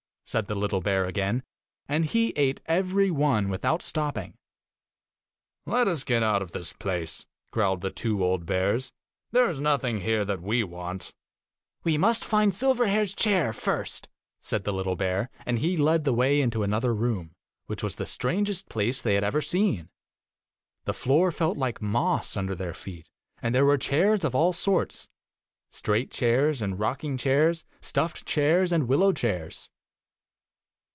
said the little bear again, and he ate every one without stopping. 'Let us get out of this place,' growled the two old bears; 'there is nothing here that we want.' 'We must find Silverhair's chair first,' said the little bear; and he led the way into another room, which was the strangest place they had ever seen. The floor felt like moss under their feet, and there were chairs of all sorts — straight io chairs and rocking chairs, stuffed chairs and wil low chairs.